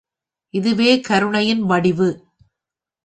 இதுவே கருணையின் வடிவு.